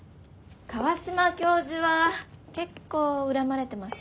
川島教授は結構恨まれてました？